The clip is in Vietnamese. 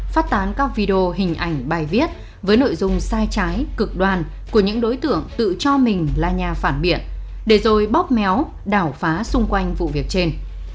phát tán các video hình ảnh bài viết với nội dung sai trái cực đoan của những đối tượng tự cho mình là nhà phản biện để rồi bóp méo đảo phá xung quanh vụ việc trên